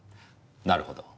なるほど。